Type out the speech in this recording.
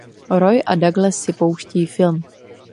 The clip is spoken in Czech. Roy a Douglas si pouští film.